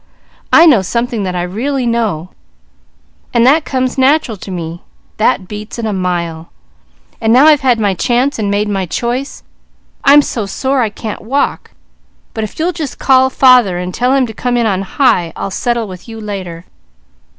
I know something that I really know, and that comes natural to me, that beats it a mile; and now I've had my chance, and made my choice. I'm so sore I can't walk, but if you'll just call father and tell him to come in on high, I'll settle with you later."